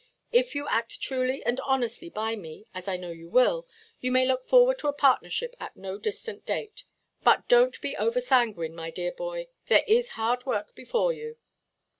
If you act truly and honestly by me, as I know you will, you may look forward to a partnership at no distant date. But donʼt be over–sanguine, my dear boy; there is hard work before you."